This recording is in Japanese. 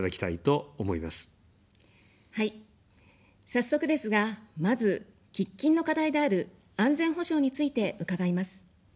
早速ですが、まず、喫緊の課題である安全保障について伺います。